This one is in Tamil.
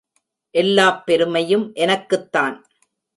எல்லாப் பெருமையும் எனக்குத்தான்.